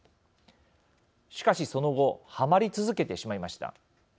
しかし、その後はまり続けてしまいました。